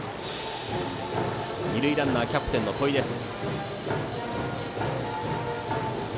二塁ランナーはキャプテンの戸井です。